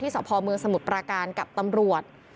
สพเมืองสมุทรปราการกับตำรวจ